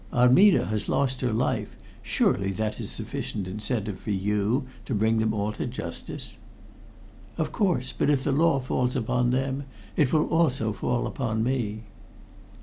"Armida has lost her life. Surely that is sufficient incentive for you to bring them all to justice?" "Of course. But if the law falls upon them, it will also fall upon me."